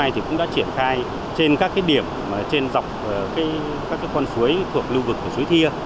thứ hai trên các cái điểm trên dọc các cái con suối thuộc lưu vực của suối thia